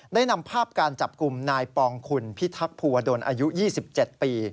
นำภาพการจับกลุ่มนายปองคุณพิทักษ์ภูวดลอายุ๒๗ปี